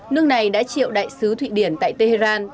nước này đã triệu đại sứ thụy điển tại tehran